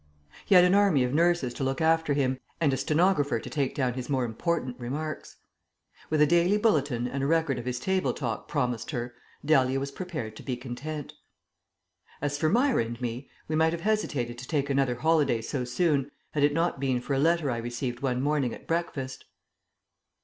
He had an army of nurses to look after him, and a stenographer to take down his more important remarks. With a daily bulletin and a record of his table talk promised her, Dahlia was prepared to be content. As for Myra and me, we might have hesitated to take another holiday so soon, had it not been for a letter I received one morning at breakfast.